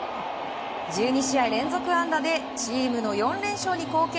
１２試合連続安打でチームの４連勝に貢献。